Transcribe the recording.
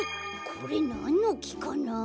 これなんのきかな？